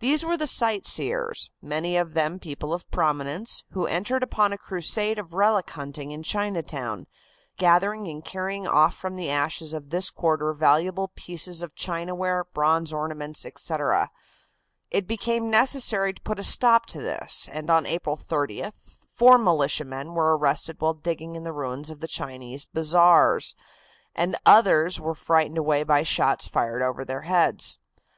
These were the sightseers, many of them people of prominence, who entered upon a crusade of relic hunting in Chinatown, gathering and carrying off from the ashes of this quarter valuable pieces of chinaware, bronze ornaments, etc. It became necessary to put a stop to this, and on April 30th four militiamen were arrested while digging in the ruins of the Chinese bazaars, and others were frightened away by shots fired over their heads.